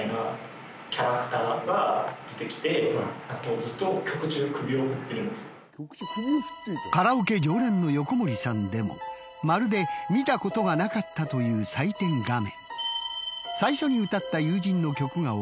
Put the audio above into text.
ずっとカラオケ常連の横森さんでもまるで見たことがなかったという採点画面。